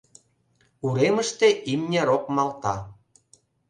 Уремыште имне рокмалта.